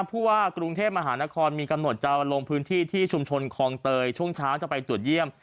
ผู้ว่ากรุงเทพมหานครมีกำหนดจะลงพื้นที่ที่ชุมชนคลองเตยช่วงเช้าจะไปตรวจเยี่ยม